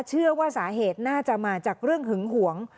เชื่อว่าสาเหตุน่าจะมาจากเรื่องหึงหวง